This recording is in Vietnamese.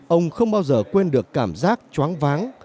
ông không bao giờ quên được cảm giác choáng váng